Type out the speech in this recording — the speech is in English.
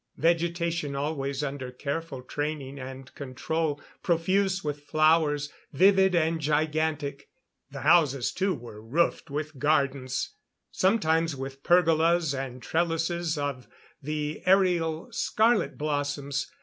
Vegetation always under careful training and control. Profuse with flowers, vivid and gigantic. The houses too, were roofed with gardens sometimes with pergolas and trellises of the aerial scarlet blossoms.